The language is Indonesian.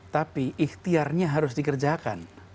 tapi ikhtiarnya harus dikerjakan